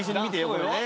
これね。